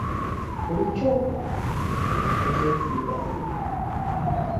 Buli ky'okola obeera teweefiirayo!